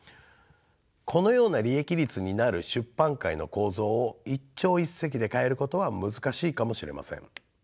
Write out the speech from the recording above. このような利益率になる出版界の構造を一朝一夕で変えることは難しいかもしれません。